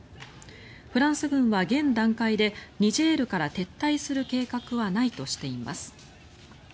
フランス軍は現段階でニジェールから撤退する計画はないとしています。